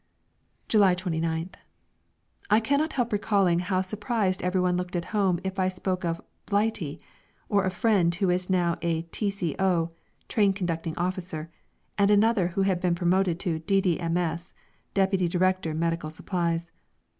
July 29th. I cannot help recalling how surprised everyone looked at home if I spoke of "Blighty," or a friend who was now a T.C.O. (Train Conducting Officer), and another who had been promoted to D.D.M.S. (Deputy Director Medical Supplies).